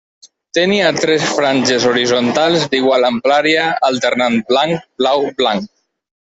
Tenia tres franges horitzontals d'igual amplària, alternant blanc, blau, blanc.